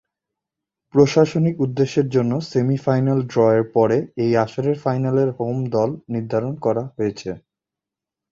প্রশাসনিক উদ্দেশ্যের জন্য সেমি-ফাইনাল ড্রয়ের পর এই আসরের ফাইনালের "হোম দল" নির্ধারণ করা হয়েছে।